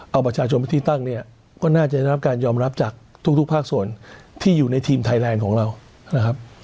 เอาประชาชนไปที่ตั้งเนี่ยก็น่าจะได้รับการยอมรับจากทุกภาคส่วนที่อยู่ในทีมไทยแลนด์ของเรานะครับ